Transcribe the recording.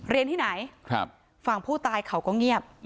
เรียนที่ไหนฝั่งผู้ตายเขาก็เงียบ